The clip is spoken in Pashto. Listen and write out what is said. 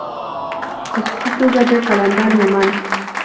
په خصوصي توګه د قلندر مومند